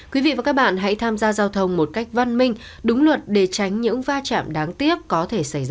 quý vị và các bạn hãy tham gia giao thông một cách văn minh đúng luật để tránh những va chạm đáng tiếc có thể xảy ra